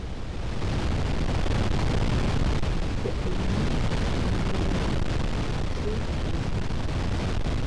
Peʼ yǐ mʉ̄ᾱ yāā tα nshʉ́ά yǒh.